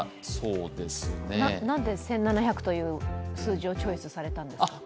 なんで１７００という数字をチョイスしたんですか？